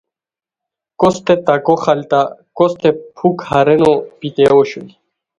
کوستے تکو خلتہ کوستے پُھک ہارینو پیتیاؤ اوشوئے